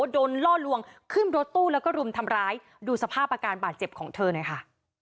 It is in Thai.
ล่อลวงขึ้นรถตู้แล้วก็รุมทำร้ายดูสภาพอาการบาดเจ็บของเธอหน่อยค่ะ